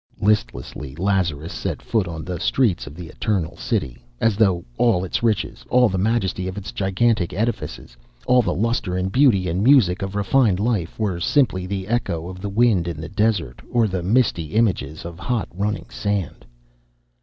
Listlessly Lazarus set foot on the streets of the Eternal City, as though all its riches, all the majesty of its gigantic edifices, all the lustre and beauty and music of refined life, were simply the echo of the wind in the desert, or the misty images of hot running sand.